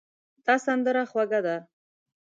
دا سندره خوږه ده.